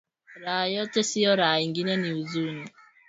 Raha yote siyo raha ingine ni uzuni